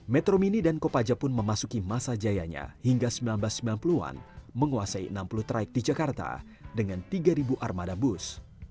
metro mini dan kopaja pun memasuki masa jayanya hingga seribu sembilan ratus sembilan puluh an menguasai enam puluh traik di jakarta dengan tiga armada bus